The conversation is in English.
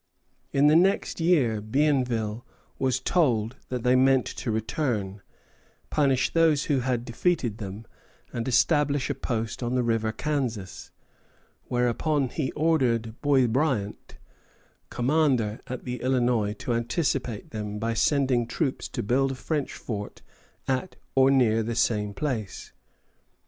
_] In the next year, Bienville was told that they meant to return, punish those who had defeated them, and establish a post on the river Kansas; whereupon he ordered Boisbriant, commandant at the Illinois, to anticipate them by sending troops to build a French fort at or near the same place.